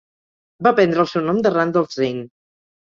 Va prendre el seu nom de Randolph Zane.